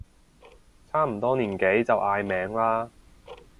差唔多年紀就嗌名啦